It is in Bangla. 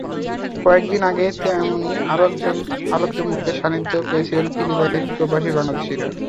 কয়েক দিন আগে তেমনি আরও একজন আলোকিত মুখের সান্নিধ্য পেয়েছিলেন ফিলিপাইনপ্রবাসী বাংলাদেশিরা।